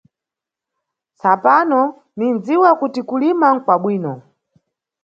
Tsapano ninʼdziwa kuti kulima nʼkwabwino.